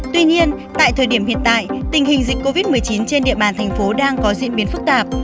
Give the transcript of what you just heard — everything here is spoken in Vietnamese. tuy nhiên tại thời điểm hiện tại tình hình dịch covid một mươi chín trên địa bàn thành phố đang có diễn biến phức tạp